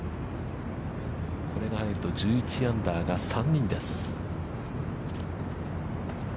これが入ると１１アンダーが３人です。